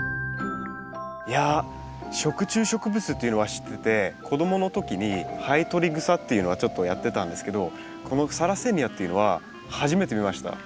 いや食虫植物っていうのは知ってて子供の時にハエトリグサっていうのはちょっとやってたんですけどこのサラセニアっていうのは初めて見ました。